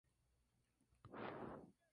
En el mismo se forman piscinas naturales.